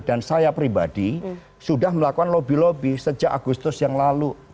dan saya pribadi sudah melakukan lobby lobby sejak agustus yang lalu